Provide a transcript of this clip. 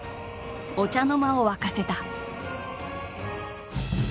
お茶の間を沸かせた。